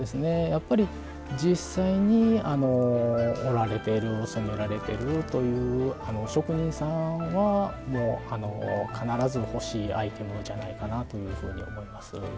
やっぱり実際に織られてる染められてるという職人さんは必ず欲しいアイテムじゃないかなというふうに思います。